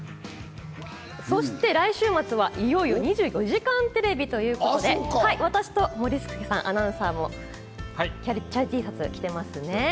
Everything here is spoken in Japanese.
そして来週末はいよいよ『２４時間テレビ』ということで、私と森アナウンサーもチャリＴシャツを着ています。